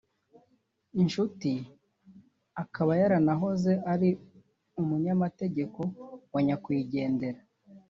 inshuti akaba yaranahoze ari umunyamategeko wa nyakwigendera